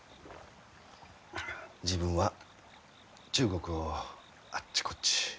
自分は中国をあっちこっち。